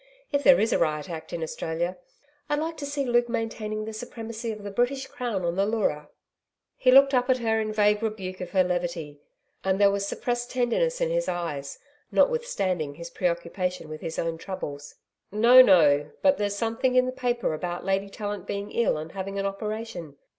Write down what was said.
if there is a Riot Act in Australia. I'd like to see Luke maintaining the supremacy of the British Crown on the Leura.' He looked up at her in vague rebuke of her levity, and there was suppressed tenderness in his eyes, notwithstanding his preoccupation with his own troubles. 'No, no. But there's something in the paper about Lady Tallant being ill and having an operation.